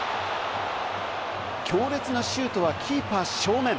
強烈なシュートはキーパー正面。